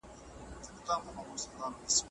څنګه د تلپاتي بدبینۍ څخه خپل ذهن پاک کړو؟